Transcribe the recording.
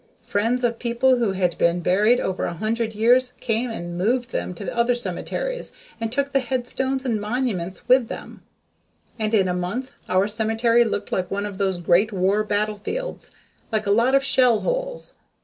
Friends of people who had been buried over a hundred years came and moved them to other cemeteries and took the headstones and monuments with them, and in a month our cemetery looked like one of those Great War battlefields like a lot of shell holes.